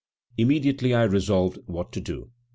Immediately I resolved what to do.